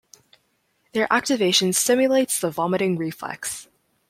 Their activation stimulates the vomiting reflex.